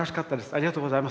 ありがとうございます。